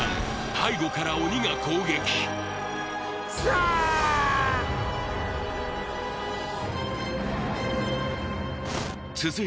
背後から鬼が攻撃くそ！